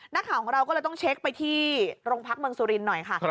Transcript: นักข่าวของเราก็เลยต้องเช็คไปที่โรงพักเมืองสุรินทร์หน่อยค่ะ